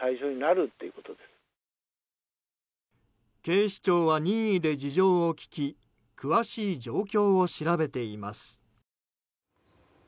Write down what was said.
警視庁は任意で事情を聴き詳しい状況を調べています。